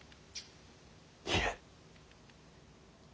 いえ。